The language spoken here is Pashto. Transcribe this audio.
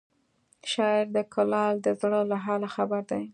شاعر د کلال د زړه له حاله خبر دی